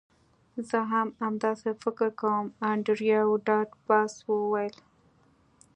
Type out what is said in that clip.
زه هم همداسې فکر کوم انډریو ډاټ باس وویل